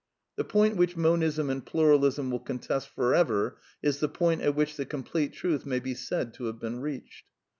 The point which Monism and Pluralism will contest for ever is the point at which the l^* complete truth may be said to have been reached.